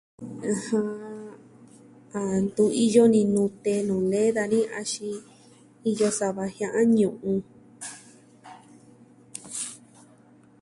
Ɨjɨn... ntu iyo ni nute nuu nee dani. Axin, iyo sava jia'an ñu'un.